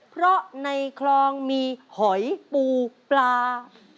เพราะในคลองมีหอยปูปลา